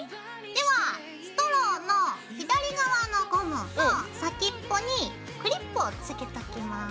ではストローの左側のゴムの先っぽにクリップをつけときます。